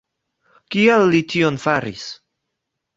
Kial li tion faris?